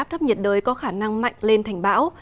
áp thấp nhiệt đới có khả năng mạnh lên thành bão